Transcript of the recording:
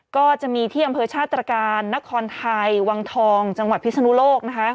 ก็จะมีที่อำเภอชาติตรการนครไทยวังทองจังหวัดพิศนุโลกนะคะ